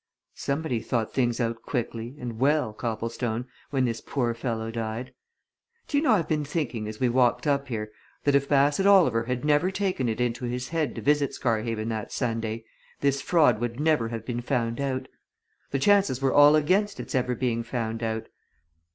"Somebody thought things out quickly and well, Copplestone, when this poor fellow died. Do you know I've been thinking as we walked up here that if Bassett Oliver had never taken it into his head to visit Scarhaven that Sunday this fraud would never have been found out! The chances were all against its ever being found out.